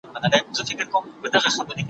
دواړه سم د قلندر په ننداره سول